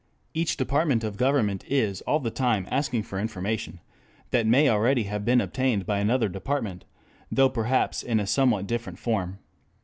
Each department of government is all the time asking for information that may already have been obtained by another department, though perhaps in a somewhat different form.